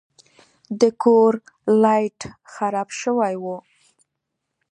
د کور لایټ خراب شوی و.